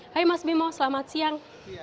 hai mas bimo selamat siang